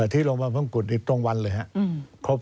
ที่โรงพยาบาลพรุ่งกรุ่นอีกตรงวันเลยครับ